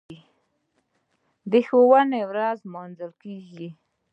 د ښوونکي ورځ لمانځل کیږي.